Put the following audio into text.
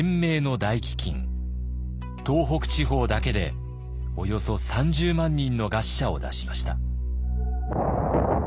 東北地方だけでおよそ３０万人の餓死者を出しました。